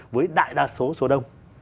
với đại đa số số đông